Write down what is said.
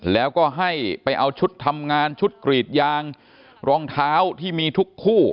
แล้วก็ให้ไปเอาชุดทำงานชุดกรีดยางรองเท้าที่มีทุกคู่